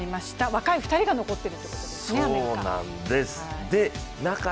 若い２人が残っているということですね、アメリカ。